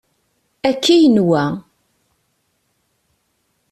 Akka i yenwa.